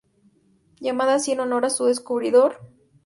Llamada así en honor a su descubridor, F. G. J. Henle.